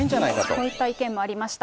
こういった意見もありました。